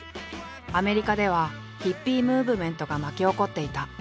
アメリカではヒッピー・ムーブメントが巻き起こっていた。